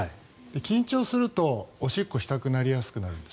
緊張すると、おしっこしたくなりやすくなるんです。